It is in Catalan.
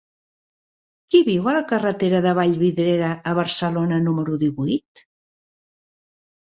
Qui viu a la carretera de Vallvidrera a Barcelona número divuit?